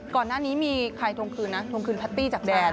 ก่อนหน้านี้มีใครทวงคืนนะทวงคืนแพตตี้จากแดน